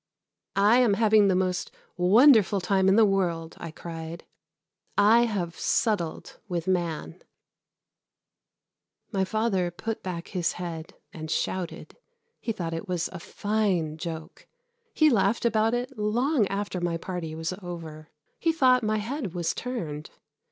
"I am having the most wonderful time in the world," I cried; "I have settled with man." My father put back his head and shouted. He thought it was a fine joke. He laughed about it long after my party was over. He thought my head was turned.